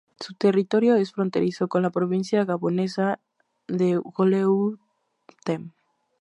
Su territorio es fronterizo con la provincia gabonesa de Woleu-Ntem.